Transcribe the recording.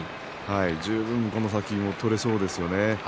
十分この先も取れそうですよね。